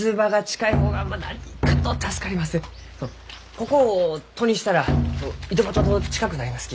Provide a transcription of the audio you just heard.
ここを戸にしたら井戸端と近くなりますき。